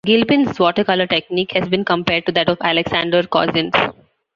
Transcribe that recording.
Gilpin's watercolour technique has been compared to that of Alexander Cozens.